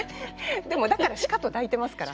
でもだからしかと抱いてますから。